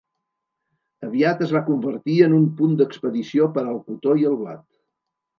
Aviat es va convertir en un punt d'expedició per al cotó i el blat.